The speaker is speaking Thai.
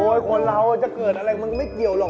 คนเราจะเกิดอะไรมันก็ไม่เกี่ยวหรอก